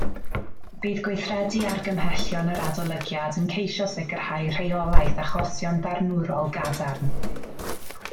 Bydd gweithredu argymhellion yr adolygiad yn ceisio sicrhau rheolaeth achosion barnwrol gadarn